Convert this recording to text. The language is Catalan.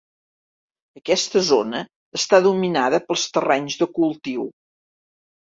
Aquesta zona està dominada pels terrenys de cultiu.